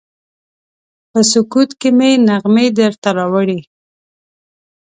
په سکوت کې مې نغمې درته راوړي